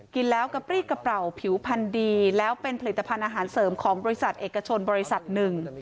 กินแล้วกะปรี้กระเป๋าผิวพันธ์ดีแล้วเป็นผลิตภัณฑ์อาหารเสริมของบริษัทเอกชนบริษัทหนึ่ง